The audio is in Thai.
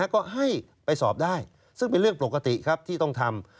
ก็ให้ไปสอบได้ซึ่งเป็นเรื่องปกติครับที่ต้องทำ